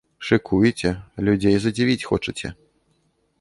Шыкуеце, людзей задзівіць хочаце.